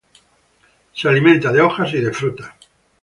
Se alimenta de hojas y frutas.